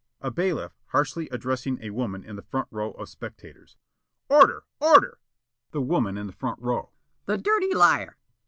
A bailiff, harshly addressing a woman in the front row of spectators: "Order! Order!" The Woman in the front row: "The dirty liar!"